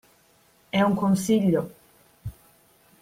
È un consiglio.